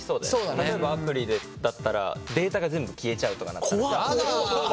例えばアプリだったらデータが全部消えちゃうとかなったらさ。